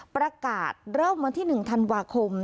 ประกาศเริ่มวันที่๑ธันวาคม